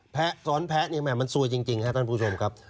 ซ้อนแพะเนี่ยแม่มันซวยจริงครับท่านผู้ชมครับ